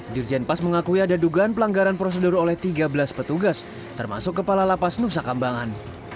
dirjen pas mengakui ada dugaan pelanggaran prosedur oleh tiga belas petugas termasuk kepala lapas nusa kambangan